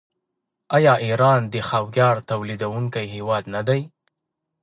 آیا ایران د خاویار تولیدونکی هیواد نه دی؟